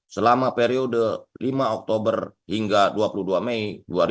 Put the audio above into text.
selama periode lima oktober hingga dua puluh dua mei dua ribu dua puluh